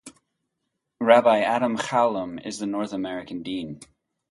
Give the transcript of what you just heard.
Rabbi Adam Chalom is the North American dean.